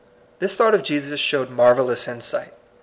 This thought of Jesus showed marvel lous insight.